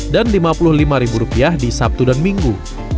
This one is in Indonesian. dan lima puluh lima rupiah di sabtu dan minggu